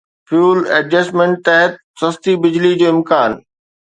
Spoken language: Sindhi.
فيول ايڊجسٽمينٽ تحت سستي بجلي جو امڪان